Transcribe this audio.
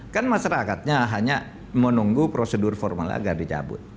kan masyarakatnya hanya menunggu prosedur formal agar dicabut